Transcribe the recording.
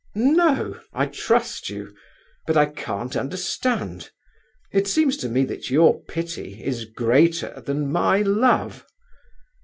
"No! I trust you—but I can't understand. It seems to me that your pity is greater than my love."